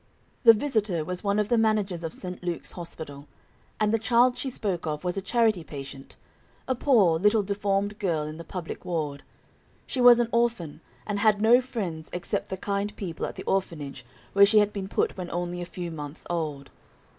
This visitor was one of the managers of St. Luke's Hospital, and the child she spoke of was a charity patient, a poor, little deformed girl in the public ward. She was an orphan, and had no friends except the kind people at the orphanage where she had been put when only a few months old.